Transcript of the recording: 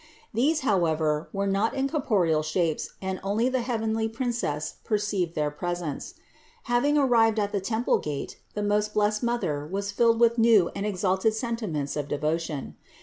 These how ever were not in corporeal shapes and only the heavenly Princess perceived their presence. Having arrived at the temple gate, the most blessed Mother was filled with new and exalted sentiments of devotion.